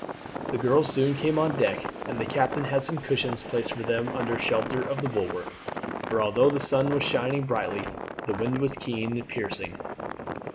The girls soon came on deck, and the captain had some cushions placed for them under shelter of the bulwark; for although the sun was shining brightly the wind was keen and piercing.